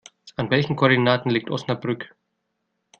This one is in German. An welchen Koordinaten liegt Osnabrück?